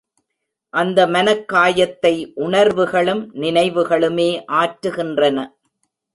அந்த மனக் காயத்தை, உணர்வுகளும் நினைவுகளுமே ஆற்றுகின்றன.